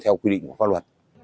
theo quy định của pháp luật